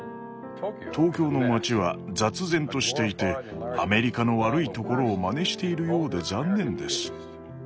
東京の街は雑然としていてアメリカの悪いところを真似しているようで残念です。